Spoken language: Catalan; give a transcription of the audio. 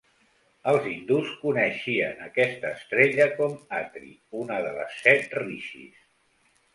Els hindús coneixien aquesta estrella com "Atri", una de les Set Rishis.